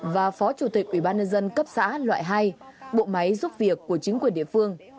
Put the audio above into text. và phó chủ tịch ủy ban nhân dân cấp xã loại hai bộ máy giúp việc của chính quyền địa phương